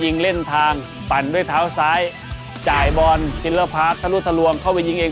ยิงเล่นทางปั่นด้วยเท้าซ้ายจ่ายบอลจิลพาร์ทธรุทะลวงเข้าไปยิงเอง